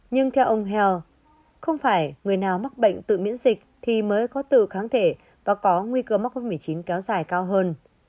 nhưng theo ông heal không phải người nào mắc bệnh tự miễn dịch thì mới có từ kháng thể và có nguy cơ mắc covid một mươi chín kéo dài cao hơn